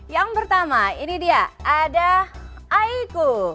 yang pertama ini dia ada aiku